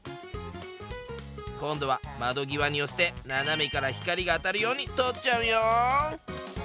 今度は窓際に寄せて斜めから光るが当たるように撮っちゃうよん！